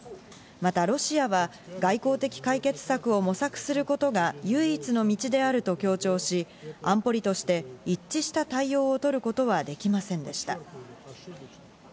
またロシアは外交的解決策を模索することが唯一の道であると強調し、安保理として一致した対応を取ることはできませんでした。